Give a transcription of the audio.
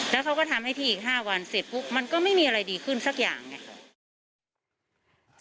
แล้วเขาก็ทำให้พี่อีก๕วันเสร็จปุ๊บมันก็ไม่มีอะไรดีขึ้นสักอย่างไง